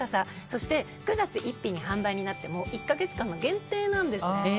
そして９月１日に販売になって１か月間の限定なんですね。